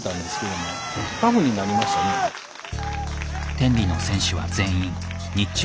天理の選手は全員日中は仕事。